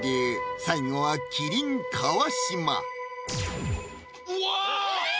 最後は「麒麟」・川島うわぁ！